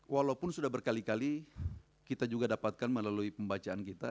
walaupun sudah berkali kali kita juga dapatkan melalui pembacaan kita